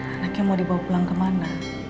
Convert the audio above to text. anaknya mau dibawa pulang kemana